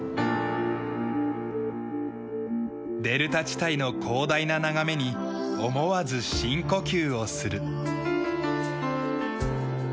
デルタ地帯の広大な眺めに思わず深呼吸をする。